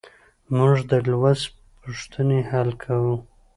موږ د لوست پوښتنې حل کوو.